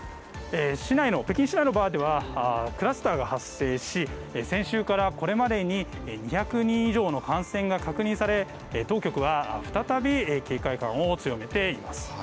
北京市内のバーではクラスターが発生し先週から、これまでに２００人以上の感染が確認され当局は再び警戒感を強めています。